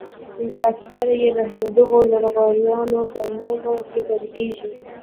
اکثره يې د همدغو لغړیانو په لومه کې بندېږي.